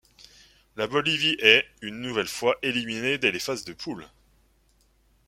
La Bolivie est, une nouvelle fois, éliminé dès les phases de poules.